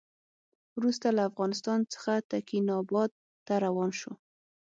وروسته له افغانستان څخه تکیناباد ته روان شو.